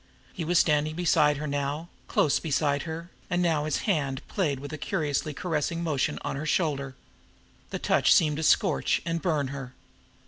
He was standing beside her now, close beside her, and now his hand played with a curiously caressing motion on her shoulder. The touch seemed to scorch and burn her.